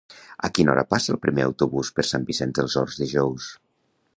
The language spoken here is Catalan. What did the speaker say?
A quina hora passa el primer autobús per Sant Vicenç dels Horts dijous?